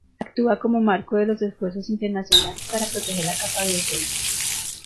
Actúa como marco de los esfuerzos internacionales para proteger la capa de ozono.